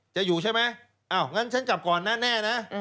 จะอยู่ใช่ไหมอ้าวงั้นฉันกลับก่อนนะแน่นะ